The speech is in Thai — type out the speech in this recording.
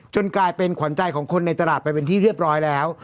กลายเป็นขวัญใจของคนในตลาดไปเป็นที่เรียบร้อยแล้ว